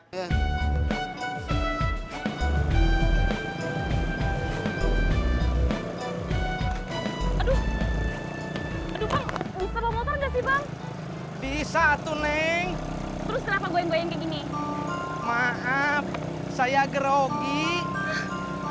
jangan lupa like subscribe share dan subscribe ya